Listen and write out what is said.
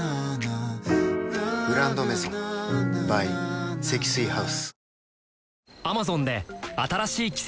「グランドメゾン」ｂｙ 積水ハウス